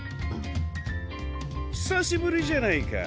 ひさしぶりじゃないか。